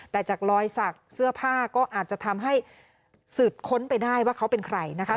แต่จากรอยสักเสื้อผ้าก็อาจจะทำให้สืบค้นไปได้ว่าเขาเป็นใครนะคะ